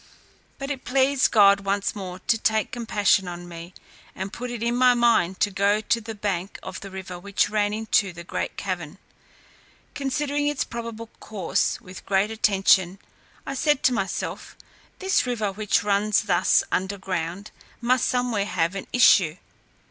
But it pleased God once more to take compassion on me, and put it in my mind to go to the bank of the river which ran into the great cavern. Considering its probable course with great attention, I said to myself, "This river, which runs thus under ground, must somewhere have an issue.